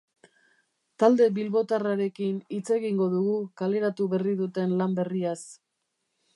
Talde bilbotarrarekin hitz egingo dugu kaleratu berri duten lan berriaz.